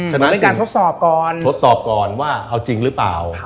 ในการทดสอบก่อนทดสอบก่อนว่าเอาจริงหรือเปล่า